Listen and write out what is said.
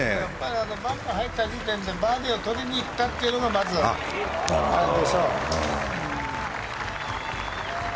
バンカーに入った時点でバーディーを取りに行ったというのがまず、あれでしょう。